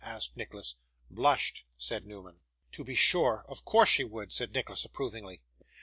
asked Nicholas. 'Blushed,' said Newman. 'To be sure. Of course she would,' said Nicholas approvingly.